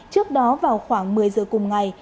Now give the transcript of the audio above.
trước đó vào khoảng một mươi giờ cùng ngày